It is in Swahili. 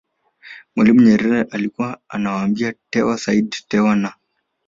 Mwalimu Nyerere alikuwa anawaambia Tewa Said Tewa na